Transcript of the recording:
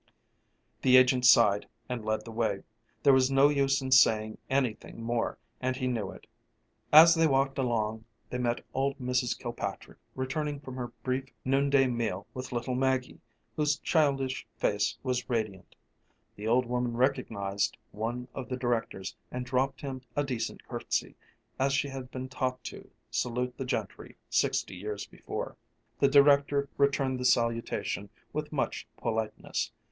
The agent sighed and led the way. There was no use in saying anything more and he knew it. As they walked along they met old Mrs. Kilpatrick returning from her brief noonday meal with little Maggie, whose childish face was radiant. The old woman recognized one of the directors and dropped him a decent curtsey as she had been taught to salute the gentry sixty years before. The director returned the salutation with much politeness.